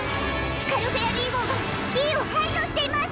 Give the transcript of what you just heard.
スカルフェアリー号がビーを排除しています！